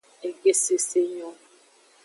Egbe sese nyo.